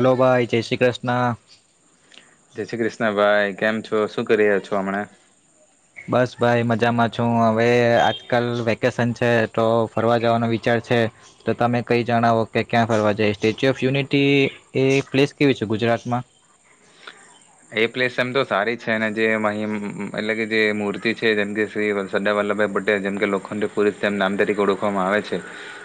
Hello ભાઈ જય શ્રી કૃષ્ણ. જય શ્રી કૃષ્ણભાઈ. કેમ છો શું કરી રહ્યા છો હમણા. બસ ભાઈ મજામાં છું હવે આજકાલ વેકેશન છે તો ફરવા જવાનો વિચાર છે તો તમે કઈ જણાવો કે ક્યાં ફરવા જાય સ્ટેચ્યુ ઓફ યુનિટી એ પ્લેસ કેવી છે ગુજરાતમાં એ પ્લેસ એમ તો સારી છે ને જે મહિમ એટલે કે જે મૂર્તિ છે જેમકે શ્રી સરદાર વલ્લભભાઈ પટેલ જેમકે લોખંડી પુરુષ નામ તરીકે ઓળખવામાં આવે છે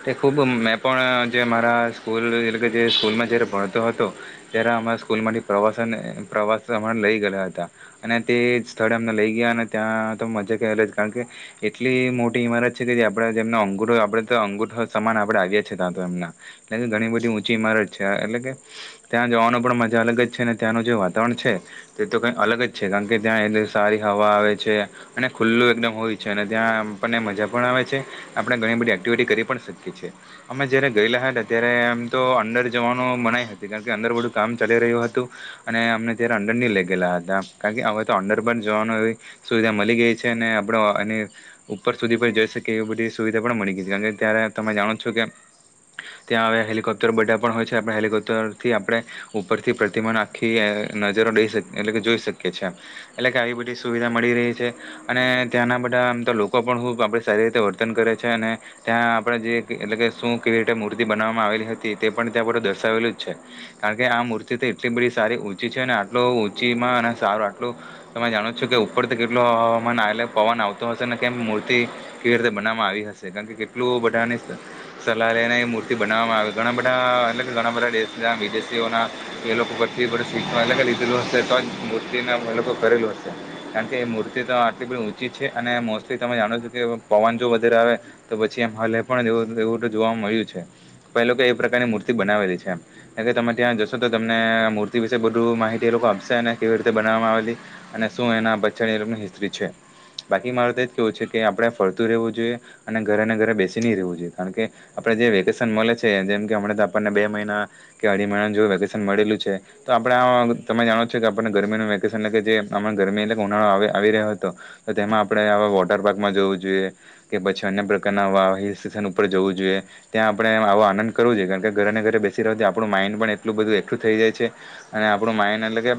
તે ખૂબ મેં પણ જે મારા સ્કૂલ એટલે કે જે સ્કૂલમાં જ્યારે ભણતો હતો ત્યારે અમારા સ્કૂલમાંથી પ્રવાસન પ્રવાસ હમણા લઇ ગયા હતા અને તે સ્થળે અમને લઈ ગયા અને ત્યાં તો મજા ક અલગ જ કારણ કે એટલી મોટી ઇમારત છે કે જે આપડે જેમને અંગુઠો આપડે તો અંગુઠ સમાન આપડે આવ્યા છે ત્યાં એમના એટલે ઘણી બધી ઊંચી ઇમારત છે એટલે કે ત્યાં જવાનું પણ મજા અલગ જ છે અને ત્યાંનો જો વાત તાવરણ છે તે તો કંઈ અલગ જ છે કારણ કે ત્યાં એક સારી હવા આવે છે અને ખુલ્લું એકદમ હોય છે અને ત્યાં આપણને મજા પણ આવે છે આપણે ઘણી બધી એક્ટિવિટી કરી પણ શકીએ છીએ અમે જ્યારે ગયેલા હતા ત્યારે એમ તો અંદર જવાનું મનાય હતી કારણ કે અંદર બધું કામ ચાલી રહ્યું હતું અને અમને ત્યારે અંડર ની લઈ ગેલા હતા કારણ કે હવે તો અંડર પણ જોવાનું એવી સુવિધા મલી ગઈ છે આપડે એની ઉપર સુધી પણ જઈ શકીએ એવી બધી સુવિધા પણ મળી ગઈ છે કારણ ત્યારે તમે જાણો છો કે ત્યાં હવે હેલિકોપ્ટર બધા પણ હોય છે આપણે હેલિકોપ્ટર થી આપડે ઉપરથી પ્રતિમા આખી. નજરો દઈ શક એટલે કે જોઈ શકીએ છીએ એટલે કે આવી બધી સુવિધા મળી રહી છે અને ત્યાંના બધા આમ તો લોકો પણ ખૂબ આપણે સારી રીતે વર્તન કરે છે અને ત્યાં આપડે જે એટલે કે શું કેવી રીતે મૂર્તિ બનાવવામાં આવેલી હતી તે પણ ત્યાં બ દર્શાવેલું જ છે કારણ કે આ મૂર્તિથી એટલી બધી સારી ઉ ચી છે અને આટલું ઊંચીમાં અને સારું આટલું તમે જાણો છો કે ઉપરથી કેટલું હવામાન આવેલે પવન આવતો હશે ને કેમ મૂર્તિ કેવી રીતે બનાવવામાં આવી હશે કારણ કેટલું બધાની સલાહ લઈને એ મૂર્તિ બનાવવામાં આવે ઘણા બધા એટલે કે ઘણા બધા દેશના વિદેશીઓના એ લોકો કરતી [unintelligible] તો મૂર્તિ લોકો કરેલું હશે કારણ કે એ મૂર્તિ તો આટલી બધી ઊંચી છે અને મોસ્ટલી તમે જાણો છો કે પવન જો વધારે આવે તો પછી એમ હલે પણ તેવું જોવા મળ્યું છે પ એ લોકો એ પ્રકારની મૂર્તિ બનાવેલી છે એમ કાર કે તમે ત્યાં જશો તો તમને મુર તી વિશે બધું માહિતી એ લોકો આપશે અને કેવી રીતે બનાવામાં આવેલી અને શું એના પછાડી એ લોકની હિસ્ત્રી છે બાકી મારું તો એજ કેવું છે કે આપડે ફરતું રહેવું જોઈએ અને ઘરે ઘરે બેસી નહી રહેવું જોઈએ કારણ કે આપડે જે વેકેશન મળે છે જેમ કે હમણાં તો આપણને બે મહિના કે અઢી મહિનાનું જો વેકેશન મળેલું છે. તો આપડા તમે જાણો છો કે આપણને ગરમીનું વેકેશન એટલે કે જેમ ગરમી એટલે કે ઉનાળો આવી રહ્યો હતો તો તેમાં આપડે આવા વોટર પાર્કમાં જવું જોઈએ કે પછી અન્ય પ્રકારના આવા હિલ સ્ટેશન ઉપર જવું જોઈએ ત્યાં આપણે આવો આનંદ કરવો જોઈએ કારણ કે ઘરે અને ઘરે બેસી રહથી આપડુ માઇન્ડ પણ એટલું બધું એક્ટિવ થઈ જાય છે. અને આપડુ માઈન્ડ એટલે કે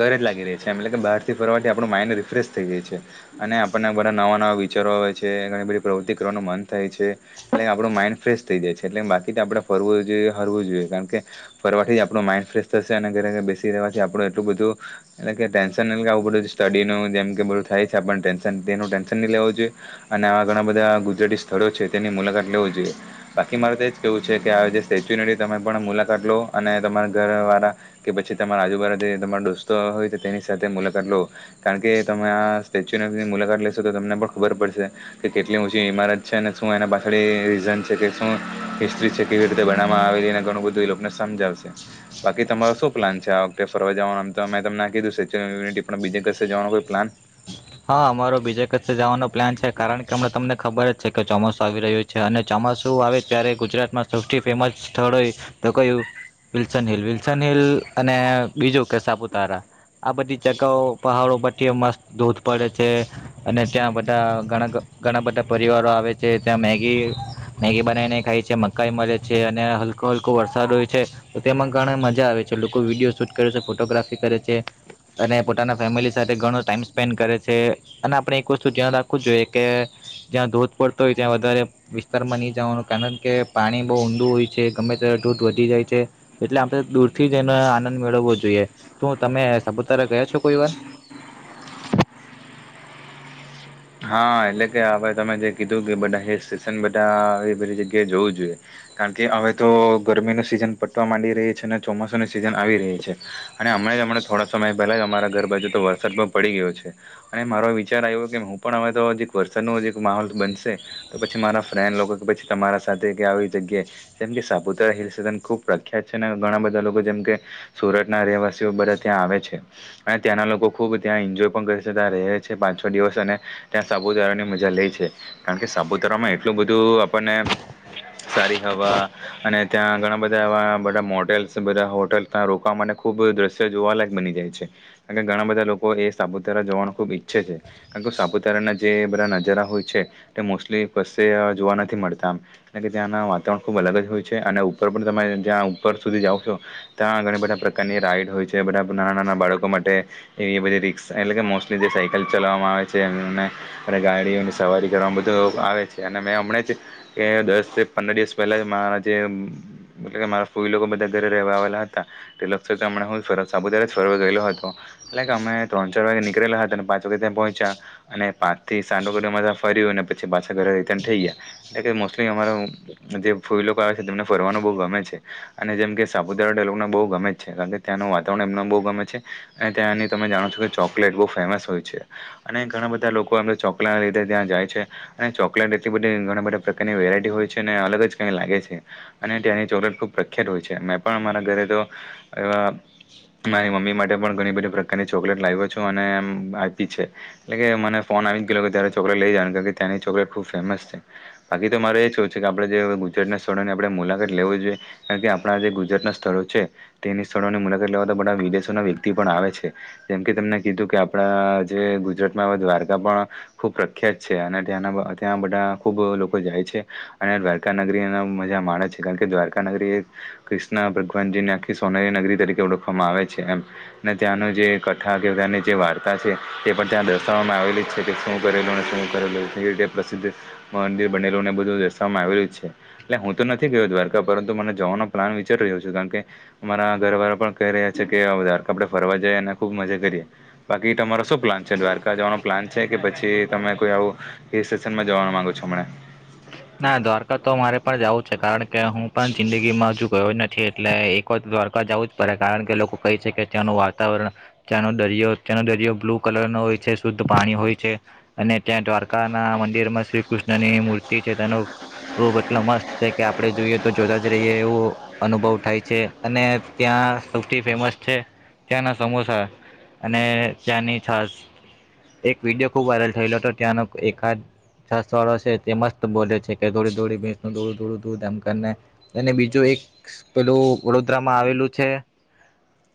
ગરેજ લાગી રહી છે એલે કે બહાર થી ફરવાથી આપડુ માઈન્ડ રિફ્રેશ થઈ જાય છે અને આપણને બધા નવા નવા વિચારો આવે છે ઘણી બધી પ્રવૃત્તિ કરવાનું મન થાય છે એટલે કે આપડુ માઈન્ડ ફ્રેશ થઈ જાય છે એટલે બાકી આપડે ફરવું જોઈએ ફરવું જોઈએ કારણ કે ફરવાથી જ આપડુ માઇન્ડ ફ્રેશ. થશે અને ખરે ઘર બેસી રહેવાથી આપડુ એટલું બધું એટલે કે ટેન્શન એ આવું બધું સ્ટડીનું જેમ કે બધું થાય છે આપને ટેન્શન તેનું ટેન્શન નહીં લેવું જોઈએ અને આવા ઘણા બધા ગુજરાતી સ્થળો છે તેની મુલાકાત લેવીું જોઈએ બાકી મારે તો જ કેવું છે કે આ જે સ્ટેચ્યુ નથી તમે પણ મુલાકાત લો અને તમારા ઘર વા કે પછી તમારા આજુબાજા જે તમારા દોસ્તો હોય તેની સાથે મુલાકાત લો કારણ કે તમે આ સ્ટેચ્યુ ની મુલાકાત લેશો તો તમને પણ ખબર પડશે કે કેટલી ઊંચી ઈમારત છે અને શું એના પાછળ રીઝન છે કે શું હિસ્ટ્રી છે કેવી રીતે બનાવામાં આવેલી ઘણું બધુંને સમજાવશે. બાકી તમારો શું પ્લાન છે આ વખતે ફરવા જવાનું એમ તમને કીધું સેચું યુનટી બીજે કસે જવાનો કોઈ પ્લાન? હા અમારો બીજા કસે જવાનો પ્લાન છે કારણ કે હમના તમને ખબર જ છે કે ચોમાસું આવી રહ્યું છે અને ચોમાસું આવે ત્યારે ગુજરાતમાં સૌથી ફેમસ સ્થળ હોય તો કયું વિલ્સન હિલ વિલ્સન હિલ અને બીજું કે સાપુતારા આ બધી જગાઓ પહાડો પી મસ્ત ધૂધ પડે છે અને ત્યાં બધા ઘણા ઘણા બધા પરિવારો આવે છે ત્યાં મેગી મેગી બનાવીને ખાય છે મકાઈ મળે છે અને હલકો હલકો વરસાદ હોય છે તેમાં ઘણા મજા આવે છે લોકો વિડીયો શૂટ કરે છે ફોટોગ્રાફી કરે છે અને પોતાના ફેમિલી સાથે ઘણો ટાઈમ સ્પેન્ડ કરે છે અને આપણે એક વસ્તુ ધ્યાન રાખવું જ જોઈએ કે જ્યાં ધોધ પડતો હોય ત્યાં વધારે વિસ્તારમાં નહી જવાનું કારણ કે પાણી બહુ ઊડું હોય છે ગમે ત દૂધ વધી જાય છે એટલે આપડે દૂરથી જનો આનંદ મેળવવો જોઈએ તો તમે સાપુતારા ગયા છો કોઈ વાર હા એટલે કે હવે તમે જે કીધું કે બધા હિલ સેશન બધા આવી બધી જગ્યાએ જવું જોઈએ કારણ કે હવે તો ગરમી નું સિઝન પટવા માંડી રહી છે અને ચોમાસુની સિઝન આવી રહી છે અને હમણાં હમણા થોડા સમય પહેલા અમારા ઘર બાજુ તો વરસાદ પણ પડી ગયો છે અને મારો વિચાર આવ્યો કે હું પણ હવે તો જે એક વરસાદનો એક માહોલ બનશે તો પછી મારા ફ્રેન્ડ લોકો કે પછી તમારા સાથે કે આવી જગ્યાએ જેમ કે સાપુતારા હિલસેશન ખૂબ પ્રખ્યાત છે અને ઘણા બધા લોકો જેમ કે સુરતના રહેવાસીઓ બધા ત્યાં આવે છે અને ત્યાંનાં લોકો ખૂબ ત્યાં એન્જોય પણ કરે છે ત્યાં રહે છે પાંચ છ દિવસ અને ત્યા સાપુતારા ની મજા લેય છે કારણ કે સાપુતારામાં એટલું બધું આપણને સારી હવા અને ત્યાં ઘણા બધા એવા બધા મોટેલ્સ બધા હોટેલ ત્યા રોકવા માટે ખુબ દ્રશ્ય જોવાલાયક બની જાય છે અને ઘણા બધા લોકો એ સાપુતારા જોવાનું ખુબ ઈચ્છે છે કારણ કે સા પૂતારાના જે બધા નજારા હોય છે તે મોસ્ટલી કસે જોવા નથી મળતા આમ એટલે કે ત્યાંના વાતાવરણ ખૂબ અલગ જ હોય છે અને ઉપર બધું તમારે જ્યાં ઉપર સુધી જાઓ છો ત્યાં ઘણી બધા પ્રકારની રાઈડ હોય છે બધા નાના નાના બાળકો માટે એ બધી રિક્સ એટલે કે મોસ્ટલી જે સાયકલ ચલાવવામાં આવે. છે ને ગાડીઓની સવારી કરવાવામાં બધું આવે છે અને મેં હમણા જ દસ પંદર દિવસ પહેલા મારા જે કે મારા ફઈ લોકો બધા ઘરે રહેવા આવેલા હતા એ લક્ષશ કેમ હું સાપુતારા ફરવા ગયેલો હતો એટલે કે અમે ત્રણ ચાર વાગે નીકળેલા હતા અને પાંચ વાગે ત્યાં પહોંચ્યા. અને પાથી સાંડ વાગે તમે તા ફર્યું અને પછી પાછા ઘરે રિટન થઈ ગયા એટલે કે મોસ્ટલી અમારો જે ફૂઈ આવે છે તેમને ફરવાનું બો ગમે છે અને જેમ કે સાપુતારા લોકો બો ગમે છે કારણ કે ત્યાંનું વાતાવરણ એમને બો ગમે છે અને ત્યાંની તમે જાણો છો કે ચોકલેટ બો ફેમસ હોય છે. અને ઘણા બધા લોકો એમ તો ચોકલેટ ના લીધે ત્યાં જાય છે અને ચોકલેટ એટલી બધી ઘણા બધા પ્રકારની વેરાયટી હોય છે અને અલગ જ કઈ લાગે છે અને ત્યાંની ચોકલેટ ખુબ પ્રખ્યાત હોય છે મેં પણ મારા ઘરે તો એવા મારી મમ્મી માટે પણ ઘણી બધી પ્રકારની ચોકલેટ લાવ્યો છું અને એમ આપી છે. એટલે કે મને ફોન આવી જ ગયોલો કે ત્યારે ચોકલેટ લઈ જનું કારણ કે ત્યાંની ચોકલેટ ખૂબ ફેમસ છે બાકી તો મારે એ જું છે કે આપડે જે ગુજરાતના સ્થળોની આપણે મુલાકાત લેવી જોઈએ કારણ કે આપણા જે ગુજરાતનાં સ્થળો છે તેની સ્થળોની મુલાકાત લેવાતા બધા વિદેશોના વ્યક્તિ પણ આવે છે જેમ કે તેમણે કીધું કે આપણા જે ગુજરાત દ્વારકા પણ ખૂબ પ્રખ્યાત છે અને ત્યાંના ત્યાં બધા ખુબ લોકો જાય છે અને દ્વારકા નગરી મજા માણે છે કારણ કે દ્વારકા નગરી એ કૃષ્ણ ભગવાનજી ને આખી સોનેરી નગરી તરીકે ઓળખવામાં આવે છે એમ અને ત્યાંનું જે કથા કે ત્યાંની જે વાર્તા છે તે પણ ત્યાં દસ સા વામાં કે શું કરેલું ને શું કરેલું રીતે પ્રસિદ્ધ મંદિર બનેલું ને બધું દર્સવામાં આવેલું છે એટલે હું તો નથી ગયો દ્વારકા પરંતુ મને જવાનો પ્લાન વિચારી રહ્યો છું કારણ કે મારા ઘરવાળા પણ કહી રહ્યા છે કે દ્વારકા આપડે ફરવા જઈએ ને ખુબ મજા કરીએ બાકી તમારા શું પ્લાન છે દ્વારક કા જવાનો પ્લાન છે કે પછી તમે કોઈ આવું હિલ સેશનમાં જવાનું માંગો છો હમણા. ના દ્વારકા તો મારે પણ જવું છે કારણ કે હું પણ જિંદગીમાં હજુ ગયો નથી એટલે એક વાત દ્વારકા જવું જ પડે કારણ કે લોકો કઈ છે કે ત્યાંનું વાતાવરણ ત્યાંનો દરિયો ત્યાનો દરિયો બ્લુ કલર નો હોય છે શુદ્ધ પાણી હોય છે અને ત્યાં દ્વારકા ના મંદિર માં શ્રી કૃષ્ણની મૂર્તિ નો રૂપ એટલો મસ્ત છે કે આપણે જોઈએ તો જોતા જ રહીએ એવો અનુભવ થાય છે અને ત્યાં સૌથી ફેમસ છે ત્યાંના સમોસા અને ત્યાંની છાસ એક વિડીયો ખુબ વાયરલ થયેલો હતો ત્યાંનો એકાદ છ વાળો છે તે મસ્ત બોલે છે થોડી થોડી ભેંસોડું ધોડું ધોડું ધામને અને બીજું એક પેલું વડોદરામાં આવેલું છે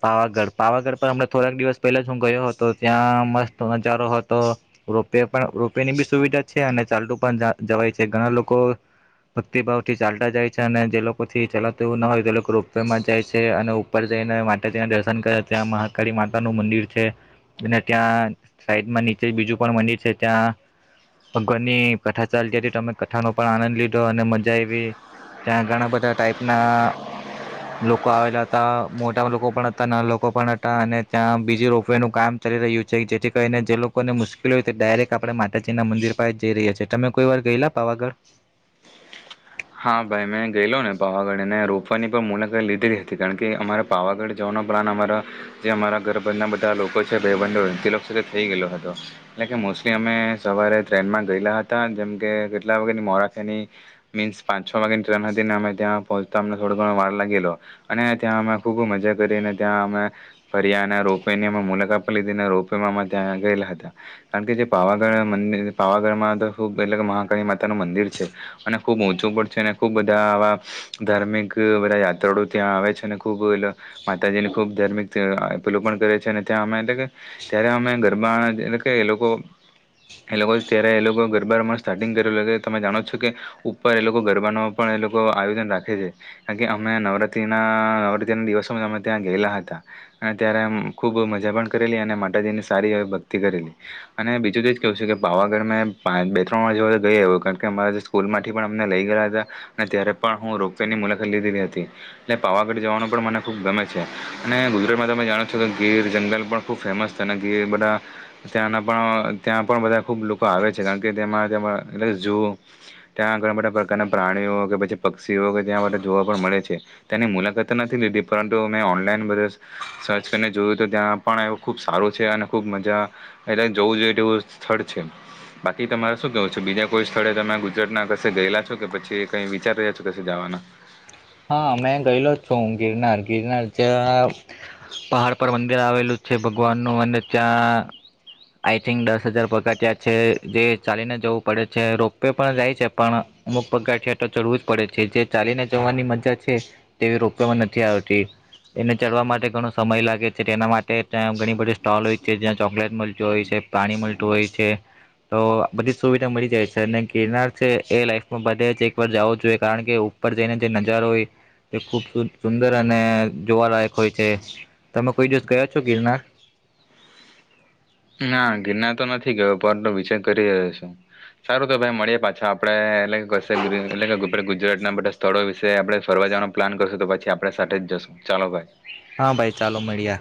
પાવાગઢ પાવાગઢ પર હમ થોડાક દિવસ પહેલા જ હું ગયો હતો ત્યાં મસ્ત નજારો હતો રોપવે પણ રોપવે ની બી સુવિધા છે અને ચાલતું પણ જવાય છે તે ઘણા લોકો ભક્તિભાવ થી ચાલતા જાય છે અને જે લોકો થી ચલાતું એવું ના હોય તે લોકો રોપવે માં જાય છે અને ઉપર જઈને માતાજીના દર્શન કરે ત્યાં મહાકાળી માતા નું મંદિર છે અને ત્યાં સાઈડમાં નીચે બીજું પણ મંદિર છે ત્યાં ભગવાન ની કથા ચાલતીથી તમે કથાનો પણ આનંદ લીધો અને મજા આવી ત્યાં ઘણા બધા ટાઈપ ના લોકો આવેલા હતા મોટા લોકો પણ હતા નાના લોકો પણ હતા અને ત્યાં બીજી રોફવે નું કામ ચલી રહ્યું છે જેથી કરીને જે લોકોને મુશ્કેલી હોય તે ડાયરેક્ટ આપે માતાજી ના મંદિર પાસે જઈ રહ્યા છે તમે કોઈ વાર ગયેલા પાવાગઢં હા ભાઈ મેં ગયેલો ને પાવાગઢને રોપવાની પણ મુલાકાત લીધેલી હતી કારણ કે અમારે પાવાગઢ જવાનો પ્લાન અમારા જે અમારા ઘરબના બધા લોકો છે ભાઈબંધો તે થઈ ગયેલો હતો એટલે કે મોસ્ટલી અમે સવારે ટ્રેનમાં ગયેલા હતા જેમ કે કેટલા વખત મોરાખેની મીન્સ પાંચ છ વાગ્યાની ટ્રેન હતી ને અમે ત્યાં પહોંચતા અમને થોડો ઘણો વાર લાગેલો અને ત્યાં અમે ખૂબ મજા કરીને ત્યાં અમે ફરી્યા અને રોપવેની અમે મુલાકાત પણ લીધી અને રોપવેમાં અમે ત્યાં ગયેલા હતા કારણ કે જે પાવાગઢ મંદિર પાવાગઢમાં તો ખૂબ એટલે કે મહાંકાળી માતાનું મંદિર છે અને ખૂબ ઊંચું પડશે અને ખૂબ બધા આવા ધાર્મિક બધા યાત્રાળુ ત્યાં આવે છે અને ખૂબ એ માતાજીને ખૂબ ધાર્મિક અપીલો પણ કરે છે અને ત્યાં અમે એટલે કે ત્યારે અમે ગરબા એટલે કે એ લોકો એ લોકો ત્યારે એ લોકો ગરબા અમામાં સ્ટાર્ટિંગ કરે તમે જાણો જ છો કે ઉપર એ લોકો ગરબાનો પણ એ લોકો આયોજન રાખે છે અમ લઈ ગયા હતા અને ત્યારે પણ હું રોપવે ની મુલાકાત લીધેલી હતી એટલે પાવાગઢ જવાનું પણ મને ખુબ ગમે છે અને ગુજરાતમાં તમે જાણો છો કે ગીર જંગલ પણ ખૂબ ફેમસ અને ગીર બધા ત્યાંના ત્યાં પણ બધા ખુબ લોકો આવે છે કારણ કે જોવો ત્યાં ઘણા બધા પ્રકારના પ્રાણીઓ કે પછી પક્ષીઓ કે ત્યાં માટે જોવા પણ મળે છે ત્યાંની મુલાકાત તો નથી લીધી પરંતુ મેં ઓનલાઈન બધ સર્ચ કરીને જોયું તો ત્યાં પણ એ ખૂબ સારું છે અને ખૂબ મજા એટલે જવું જોઈએ તેવું સ્થળ છે બાકી તમારે શું કહેવું છે બીજા કોઈ સ્થળે તમે ના ક ગયેલા છો કે પછી કઈ વિચાર રહ્યા છો કશે જવાના હા મેં ગયેલો છું ગિરનાર ગિરનાર જ્યાં પહાડ પર મંદિર આવેલું છે ભગવાનનું અને ત્યાં આઈ થિંક દસ હજાર પગાટિયા છે જે ચાલીને જવું પડે છે રોપવે પણ જાય છે પણ અમુક પગાટિયા તો ચડવું જ પડે છે જે ચાલીને જવાની મજા છે તેવી રોપમાં નથી આવતી એને ચડવા માટે ઘણો સમય લાગે છે તેના માટે ત્યાં ઘણી બધી સ્ટોલ હોય છે જ્યાં ચોકલેટ હોય છે પાણી મળતું હોય છે તો બધી જ સુવિધા મળી જાય છે અને ગિરનાર છે એ લાઈફમાં બધે જ એક વાર જવો જોઈએ કારણ કે ઉપર જઈને જે નજારો હોય તે ખૂબ સુંદર અને જોવા લાયક હોય છે તમે કોઈ દિવસ ગયા છો ગિરનાર ના ગિરના તો નથી ગયો પણનો વિચય કરી રહ્યો છું સારું તો ભાઈ મળીએ પાછા આપડે એટલે એટલે ગુજરાત ના બધા સ્થળો વિશે આપડે ફરવા જવાનો પ્લાન કરશું તો પછી આપડ સાથે જ જશું ચાલો ભાઈ હા ભાઈ ચાલો મળ્યા